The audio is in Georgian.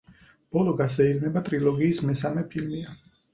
ბოლო გასეირნება ტრილოგიის მესამე ფილმია.